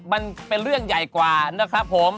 มันเป็นเรื่องใหญ่กว่านะครับผม